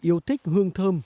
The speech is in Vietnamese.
yêu thích hương thơm